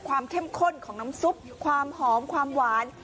เข้มข้นของน้ำซุปความหอมความหวาน